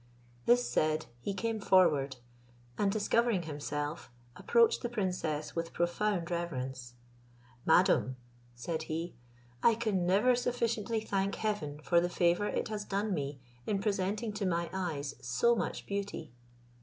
This said, he came forward, and discovering himself, approached the princess with profound reverence. "Madam," said he, "I can never sufficiently thank Heaven for the favour it has done me in presenting to my eyes so much beauty.